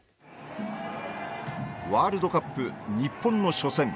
ワールドカップ日本の初戦。